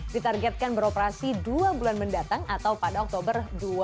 ditargetkan beroperasi dua bulan mendatang atau pada oktober dua ribu dua puluh